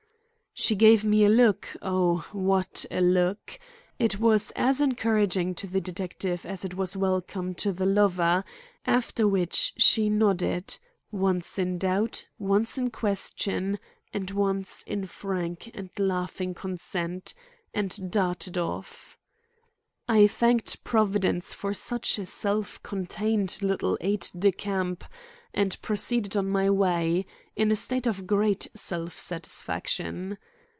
She gave me a look—oh, what a look! It was as encouraging to the detective as it was welcome to the lover; after which she nodded, once in doubt, once in question and once in frank and laughing consent, and darted off. I thanked Providence for such a self contained little aide de camp and proceeded on my way, in a state of great self satisfaction.